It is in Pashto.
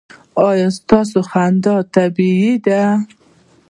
ایا ستاسو خندا طبیعي ده؟